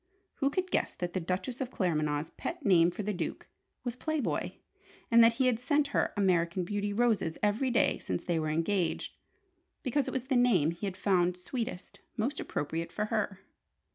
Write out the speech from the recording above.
Who could guess that the Duchess of Claremanagh's pet name for the Duke was "Play Boy," and that he had sent her "American Beauty" roses every day since they were engaged, because it was the name he had found sweetest, most appropriate for her?